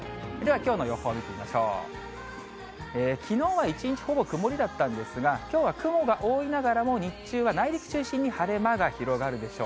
きのうは一日ほぼ曇りだったんですが、きょうは雲が多いながらも、日中は内陸中心に晴れ間が広がるでしょう。